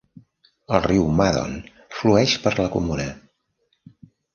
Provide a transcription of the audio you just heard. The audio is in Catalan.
El riu Madon flueix per la comuna.